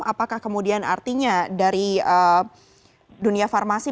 apakah kemudian artinya dari dunia farmasi